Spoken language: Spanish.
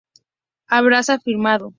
habrás afirmado